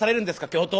教頭！